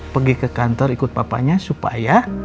pergi ke kantor ikut papanya supaya